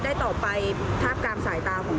คือมิงอ่านคำแบบมิงเรามิงแบบ